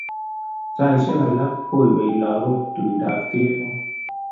Saisyek alak kowei lagok tuindap kemboi.